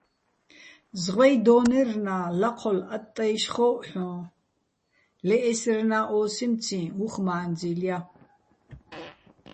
ზღვეჲ დო́ნერნა́ ლაჴოლ ატტაჲშ ხო́ჸო̆ ჰ̦ოჼ, ლე ესერნა́ ო́სიმციჼ უ̂ხ მა́ნძილ ჲა.